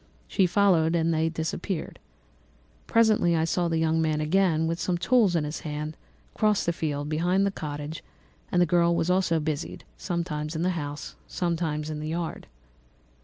She followed, and they disappeared. Presently I saw the young man again, with some tools in his hand, cross the field behind the cottage; and the girl was also busied, sometimes in the house and sometimes in the yard.